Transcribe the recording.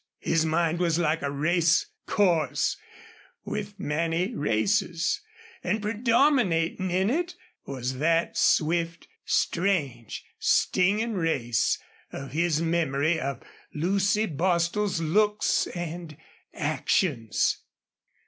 His mind was like a racecourse with many races; and predominating in it was that swift, strange, stinging race of his memory of Lucy Bostil's looks and actions.